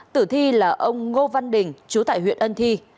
tử thi là ông ngô văn đình chú tại huyện ân thi